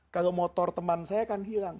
kalau motor teman saya akan hilang